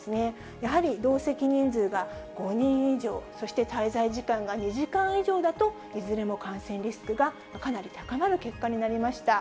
やはり同席人数が５人以上、そして滞在時間が２時間以上だと、いずれも感染リスクがかなり高まる結果になりました。